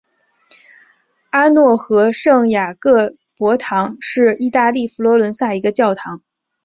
阿诺河圣雅各伯堂是意大利佛罗伦萨一个教堂。